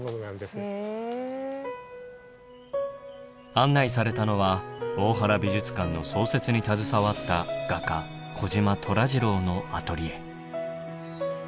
案内されたのは大原美術館の創設に携わった画家児島虎次郎のアトリエ。